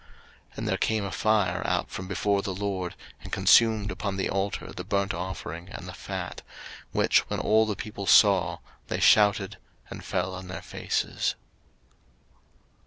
03:009:024 And there came a fire out from before the LORD, and consumed upon the altar the burnt offering and the fat: which when all the people saw, they shouted, and fell on their faces.